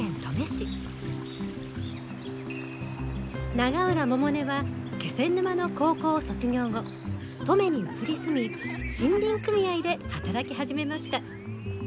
永浦百音は気仙沼の高校を卒業後登米に移り住み森林組合で働き始めました。